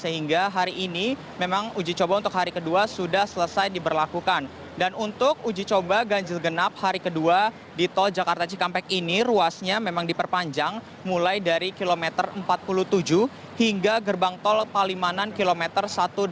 hingga gerbang tol palimanan kilometer satu ratus delapan puluh delapan